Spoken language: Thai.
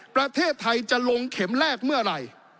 ประเทศไทยจะลงเข็มแรกเมื่อไหร่